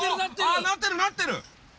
あなってるなってる！